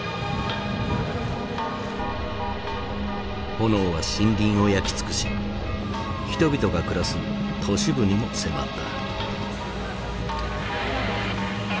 炎は森林を焼き尽くし人々が暮らす都市部にも迫った。